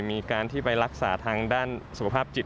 มีการที่ไปรักษาทางด้านสุขภาพจิต